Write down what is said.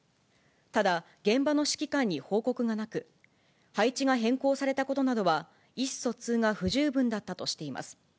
ただ現場の指揮官に報告がなく、配置が変更されたことなどは意思疎通が不十分だったとしています。